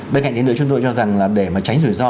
bên cạnh đấy nữa chúng tôi cho rằng là để mà tránh rủi ro